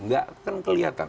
nggak akan kelihatan